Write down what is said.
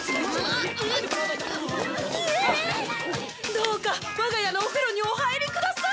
どうか我が家のお風呂にお入りください。